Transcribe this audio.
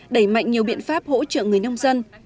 đẩy mạnh nhiều biện pháp hỗ trợ người nông dân